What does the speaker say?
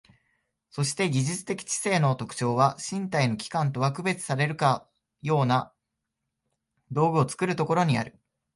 そして技術的知性の特徴は、身体の器官とは区別されるかような道具を作るところにある。